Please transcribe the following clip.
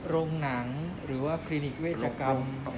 โรงหนังหรือว่าคลินิกเวชกรรม